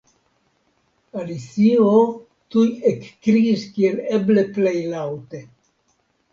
Alicio tuj ekkriis kiel eble plej laŭte.